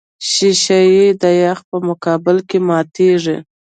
شیشې د یخ په مقابل کې ماتېږي.